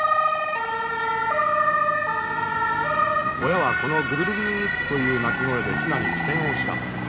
親はこのグルルルルルッという鳴き声でヒナに危険を知らせる。